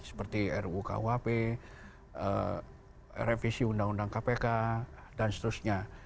seperti ru kuhp revisi undang undang kpk dan seterusnya